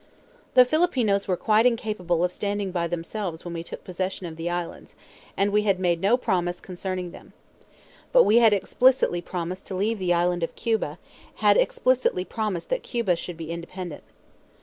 The Filipinos were quite incapable of standing by themselves when we took possession of the islands, and we had made no promise concerning them. But we had explicitly promised to leave the island of Cuba, had explicitly promised that Cuba should be independent.